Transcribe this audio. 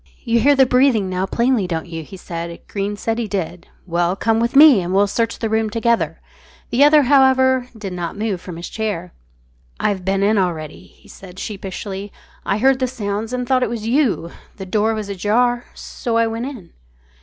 "You hear the breathing now plainly, don't you?" he said. Greene said he did. "Well, come with me, and we'll search the room together." The other, however, did not move from his chair. "I've been in already," he said sheepishly; "I heard the sounds and thought it was you. The door was ajar so I went in."